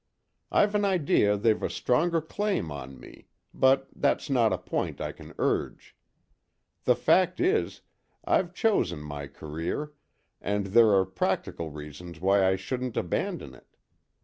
I've an idea they've a stronger claim on me, but that's not a point I can urge. The fact is, I've chosen my career, and there are practical reasons why I shouldn't abandon it.